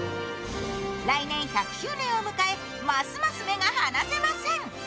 来年１００周年を迎え、ますます目が離せません。